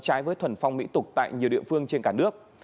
trái với thuần phong mỹ tục tại nhiều địa phương trên cả nước